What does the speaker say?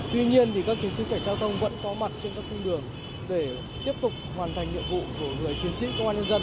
tuy nhiên các chiến sĩ cảnh giao thông vẫn có mặt trên các cung đường để tiếp tục hoàn thành nhiệm vụ của người chiến sĩ công an nhân dân